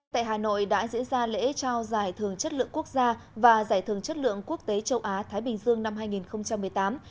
tại hà nội đã diễn ra lễ trao giải thưởng chất lượng quốc gia và giải thưởng chất lượng quốc tế châu á thái bình dương năm hai nghìn một mươi tám